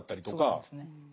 そうですね。